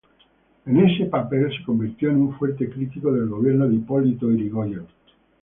En este papel se convirtió en un fuerte crítico del gobierno de Hipólito Yrigoyen.